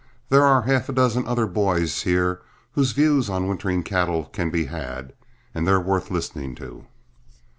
There are half a dozen other boys here whose views on wintering cattle can be had and they're worth listening to."